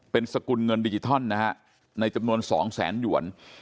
เป็นสกุลเงินดิจิทัลนะฮะในจำนวน๒แสนหยวน